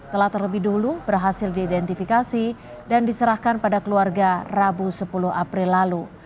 telah terlebih dulu berhasil diidentifikasi dan diserahkan pada keluarga rabu sepuluh april lalu